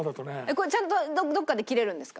これちゃんとどこかで切れるんですか？